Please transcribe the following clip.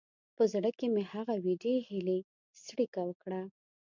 په زړه کې مې هغه وېډې هیلې څړیکه وکړه.